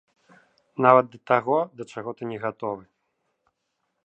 Нават да таго, да чаго ты не гатовы!